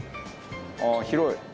ああ広い。